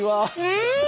うん。